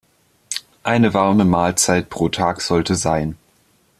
Eine warme Mahlzeit pro Tag sollte sein.